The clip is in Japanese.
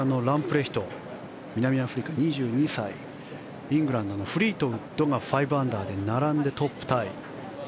レヒト南アフリカの２２歳とイングランドのフリートウッドが５アンダーで並んでトップタイ。